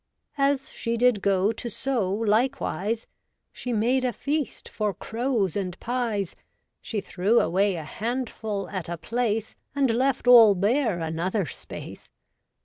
As she did go to sow likewise, She made a feast for crows and pies. She threw away a handful at a place. And left all bare another space.